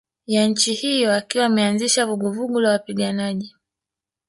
ya nchi hiyo akiwa ameanzisha vuguvugu la wapiganaji